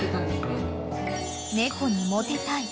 ［猫にモテたい］